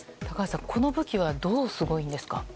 高橋さん、この武器はどうすごいんですか？